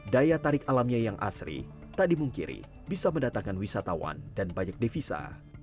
daya tarik alamnya yang asri tak dimungkiri bisa mendatangkan wisatawan dan banyak devisa